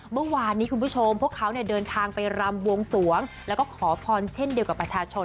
เมื่อวานนี้คุณผู้ชมพวกเขาเนี่ยเดินทางไปรำบวงสวงแล้วก็ขอพรเช่นเดียวกับประชาชน